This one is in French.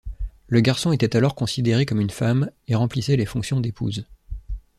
Le garçon était alors considéré comme une femme et remplissait les fonctions d'épouse.